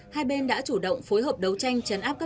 hai bên đã chủ động phối hợp đấu tranh